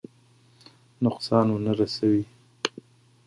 نقصان ونه رسوي.